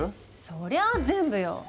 そりゃあ全部よ。